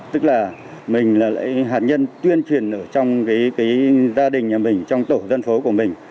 tức là mình hạt nhân tuyên truyền ở trong gia đình nhà mình trong tổ dân phố của mình